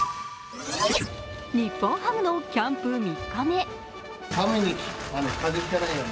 日本ハムのキャンプ３日目。